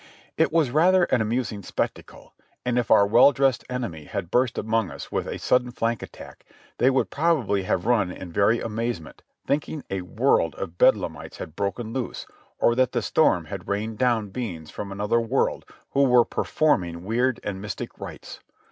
It was rather an amusing spec tacle, and if our well dressed enemy had burst among us with a sudden flank attack, they would probably have run in very amaze ment, thinking a world of bedlamites had broken loose, or that the storm had rained down beings from another world who were performing weird and mystic rites.